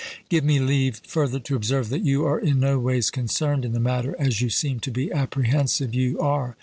Give me leave further to observe, that you are in no ways concerned in the matter, as you seem to be apprehensive you are.